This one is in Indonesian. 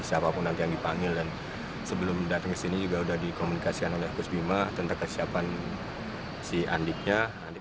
siapapun nanti yang dipanggil dan sebelum datang ke sini juga sudah dikomunikasikan oleh kus bima tentang kesiapan si andiknya